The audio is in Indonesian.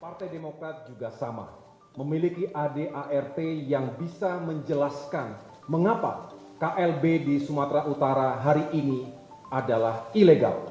partai demokrat juga sama memiliki adart yang bisa menjelaskan mengapa klb di sumatera utara hari ini adalah ilegal